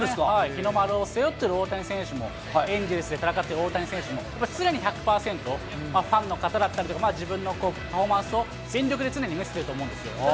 日の丸を背負ってる大谷選手も、エンゼルスで戦っている大谷選手も、常に１００％、ファンの方だったりとか、自分のパフォーマンスを全力で常に見せてくれると思うんですよ。